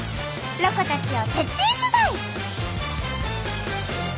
ロコたちを徹底取材！